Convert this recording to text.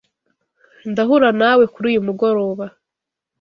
Ndahura nawe kuri uyu mugoroba.